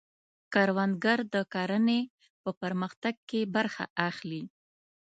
کروندګر د کرنې په پرمختګ کې برخه اخلي